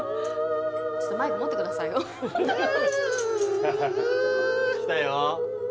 ちょっとマイク持ってくださいよきたよ